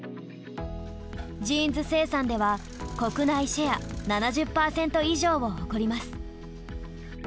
ジーンズ生産では国内シェア７０％以上を誇ります。